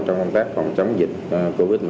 trong công tác phòng chống dịch covid một mươi chín